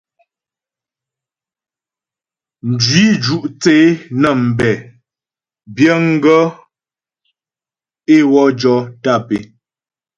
Mjwǐ ju' thə́ é nə́ mbɛ biəŋ gaə́ é wɔ jɔ tàp é.